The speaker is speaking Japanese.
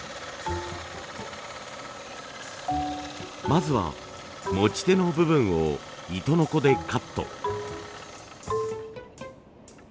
まずは持ち手の部分を糸ノコでカット。